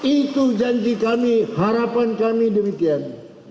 itu janji kami harapan kami demikian